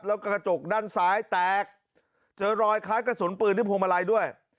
แล้วกระจกด้านซ้ายแตกเจอรอยคล้ายกระสุนปืนที่พวงมาลัยด้วย